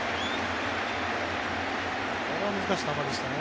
これは難しい球でしたね。